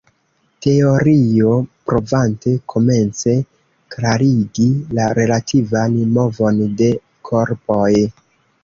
Teorio provante komence klarigi la relativan movon de korpoj.